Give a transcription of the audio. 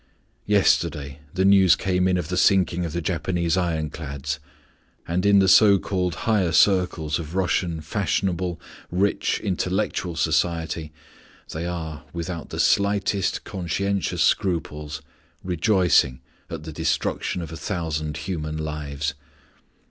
Yesterday the news came in of the sinking of the Japanese ironclads; and in the so called higher circles of Russian fashionable, rich, intellectual society they are, without the slightest conscientious scruples, rejoicing at the destruction of a thousand human lives.